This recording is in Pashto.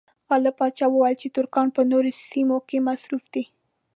غالب پاشا وویل چې ترکان په نورو سیمو کې مصروف دي.